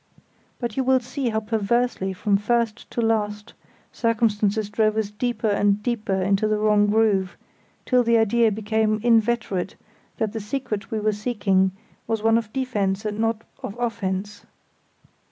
But you will see how perversely from first to last circumstances drove us deeper and deeper into the wrong groove, till the idea became inveterate that the secret we were seeking was one of defence and not offence.